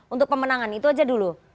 untuk pemenangan itu aja dulu